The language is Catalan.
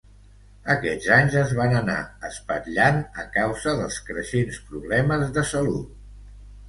Aquests anys es van anar espatllant a causa dels creixents problemes de salut.